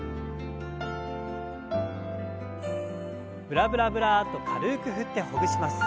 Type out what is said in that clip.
ブラブラブラッと軽く振ってほぐします。